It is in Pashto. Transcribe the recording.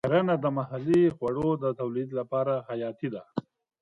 کرنه د محلي خوړو د تولید لپاره حیاتي ده.